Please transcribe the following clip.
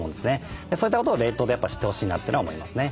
そういったことを冷凍でやっぱ知ってほしいなっていうのは思いますね。